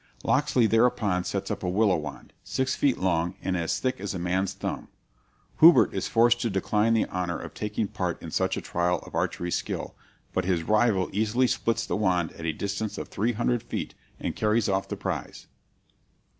'" Locksley thereupon sets up a willow wand, six feet long and as thick as a man's thumb. Hubert is forced to decline the honor of taking part in such a trial of archery skill, but his rival easily splits the wand at a distance of three hundred feet and carries off the prize.